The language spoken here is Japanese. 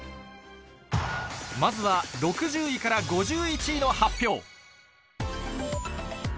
まずは６０位から５１位の発表。